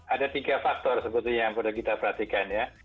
ada tiga faktor sebetulnya yang perlu kita perhatikan ya